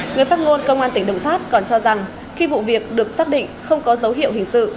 người phát ngôn công an tp hcm còn cho rằng khi vụ việc được xác định không có dấu hiệu hình sự